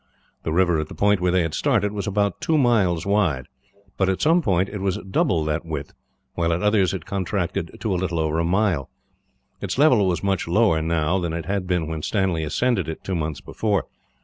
The river, at the point where they started, was about two miles wide; but at some points it was double that width, while at others it contracted to little over a mile. Its level was much lower, now, than it had been when Stanley ascended it, two months before.